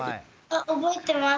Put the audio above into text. あ覚えてます。